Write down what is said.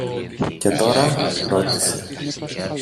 Και τώρα; ρώτησε.